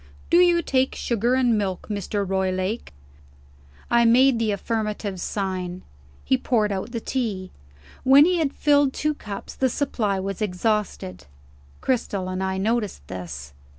Do you take sugar and milk, Mr. Roylake?" I made the affirmative sign. He poured out the tea. When he had filled two cups, the supply was exhausted. Cristel and I noticed this.